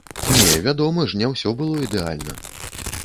Не, вядома ж, не ўсё было ідэальна!